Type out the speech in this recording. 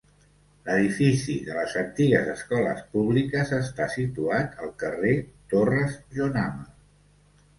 L'edifici de les antigues escoles públiques està situat al carrer Torres Jonama.